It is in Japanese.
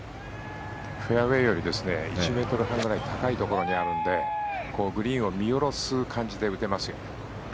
フェアウェーより１ｍ半ぐらい高いところにあるのでグリーンを見下ろす感じで打てますよ。